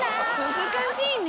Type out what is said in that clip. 難しいね。